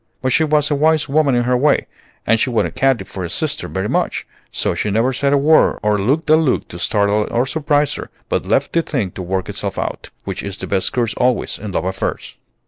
But she was a wise woman in her way, and she wanted Katy for a sister very much; so she never said a word or looked a look to startle or surprise her, but left the thing to work itself out, which is the best course always in love affairs.